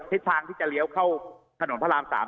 ทิศทางที่จะเลี้ยวเข้าถนนพระราม๓